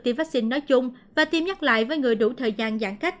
tiêm vaccine nói chung và tiêm nhắc lại với người đủ thời gian giãn cách